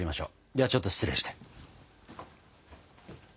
ではちょっと失礼して。